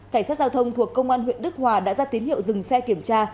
cảnh sát giao thông thuộc công an huyện đức hòa đã ra tín hiệu dừng xe kiểm tra